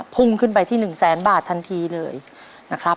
พุ่งขึ้นไปที่๑แสนบาททันทีเลยนะครับ